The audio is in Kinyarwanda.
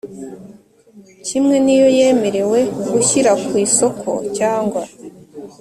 Kimwe n iyo yemerewe gushyira ku isoko cyangwa